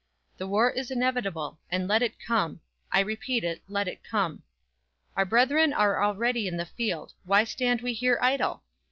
The war is inevitable; and let it come. I repeat it, let it come. "Our brethren are already in the field; why stand we here idle?